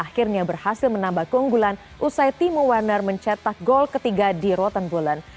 hasil menambah keunggulan usai timu warner mencetak gol ketiga di rottenbullen